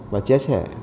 và chia sẻ